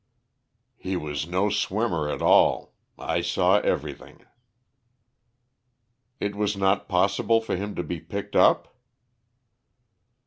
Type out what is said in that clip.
"He was no swimmer at all. I saw everything." "It was not possible for him to be picked up?"